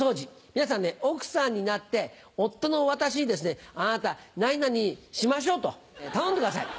皆さんね、奥さんになって、夫の私に、あなた、何々しましょうと頼んでください。